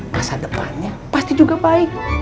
masa depannya pasti juga baik